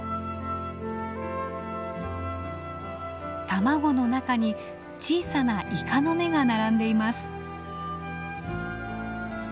卵の中に小さなイカの目が並んでいます。